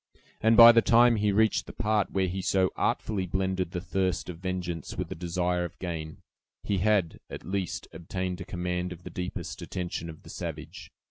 And by the time he reached the part where he so artfully blended the thirst of vengeance with the desire of gain, he had, at least, obtained a command of the deepest attention of the savage.